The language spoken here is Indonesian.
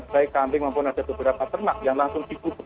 dari kambing maupun ada beberapa ternak yang langsung dikubur